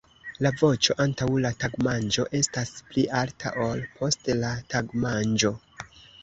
La voĉo antaŭ la tagmanĝo estas pli alta, ol post la tagmanĝo.